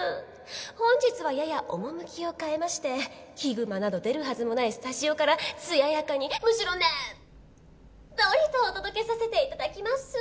本日はやや趣を変えましてヒグマなど出るはずもないスタジオからつややかにむしろねっとりとお届けさせて頂きますぅ。